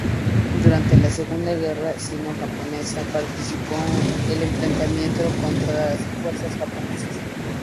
Durante la Segunda Guerra Sino-Japonesa, participó en el enfrentamiento contra las fuerzas japonesas.